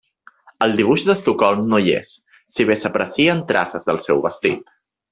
Al dibuix d'Estocolm no hi és, si bé s'aprecien traces del seu vestit.